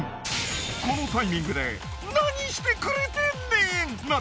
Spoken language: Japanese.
このタイミングで何してくれてんねん！？